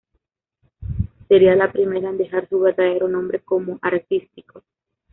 Sería la primera en dejar su verdadero nombre como artístico.